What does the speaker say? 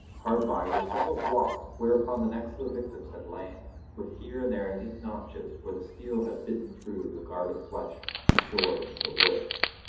Hard by were several blocks whereon the necks of the victims had lain, with here and there deep notches where the steel had bitten through the guard of flesh and shored into the wood.